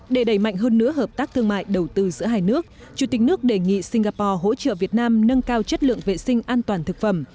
để đẩy mạnh hơn nữa hợp tác thương mại đầu tư giữa hai nước chủ tịch nước đề nghị singapore hỗ trợ việt nam nâng cao chất lượng vệ sinh an toàn thực phẩm